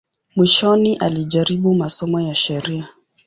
Mwishoni alijaribu masomo ya sheria.